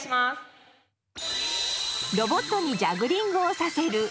ロボットにジャグリングをさせる。